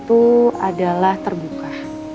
itu adalah terbuka